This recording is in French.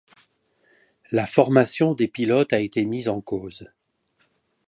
La formation des pilotes a été mise en cause.